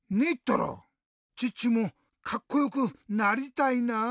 チッチもカッコよくなりたいなあ。